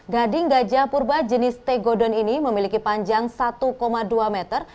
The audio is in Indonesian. gading gajah purba jenis tegodon ini memiliki panjang satu dua meter